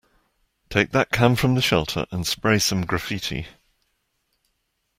Take that can from the shelter and spray some graffiti.